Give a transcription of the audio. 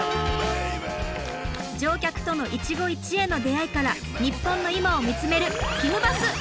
乗客との一期一会の出会いから日本の今を見つめるひむバス！